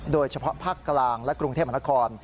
โดยเฉพาะภาคกลางและกรุงเทพมหานคร